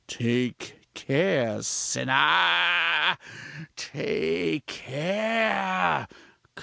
Take care, sinner, take care!